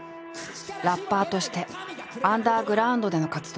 ラッパーとしてアンダーグラウンドでの活動。